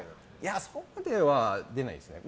そこまでは出ないですね。